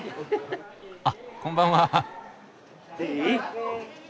あっこんばんは。